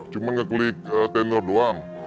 cuma ngeklik tenor doang